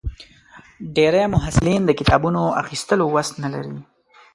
ډېری محصلین د کتابونو اخیستو وس نه لري.